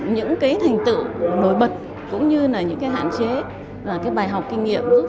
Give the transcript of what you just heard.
những thành tựu nổi bật cũng như những hạn chế bài học kinh nghiệm